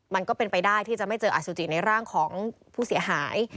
มันก็เป็นไปได้ที่จะไม่เจออสุจิในร่างของผู้เสียหาย